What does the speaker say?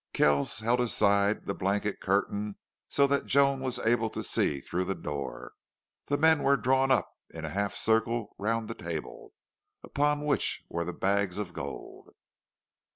Kells held aside the blanket curtain so that Joan was able to see through the door. The men were drawn up in a half circle round the table, upon which were the bags of gold.